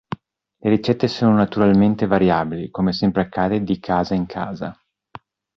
Le ricette sono naturalmente variabili, come sempre accade di "casa in casa".